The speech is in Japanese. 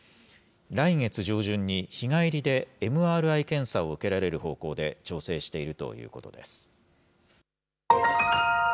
来月上旬に日帰りで、ＭＲＩ検査を受けられる方向で調整しているということです。